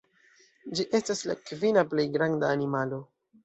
Ĝi estas la kvina plej granda animalo.